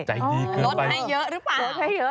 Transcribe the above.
ใจดีเกินไปลดให้เยอะหรือเปล่า